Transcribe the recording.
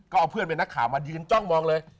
ก็เอาเพื่อนเป็นนักข่าวมายืนจ้องมองเลย